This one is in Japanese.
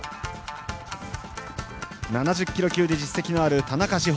７０キロ級で実績のある田中志歩